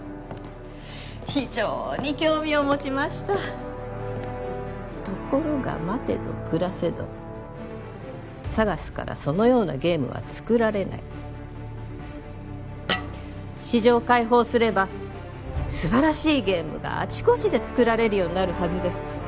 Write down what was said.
非常に興味を持ちましたところが待てど暮らせどＳＡＧＡＳからそのようなゲームは作られない市場開放すれば素晴らしいゲームがあちこちで作られるようになるはずです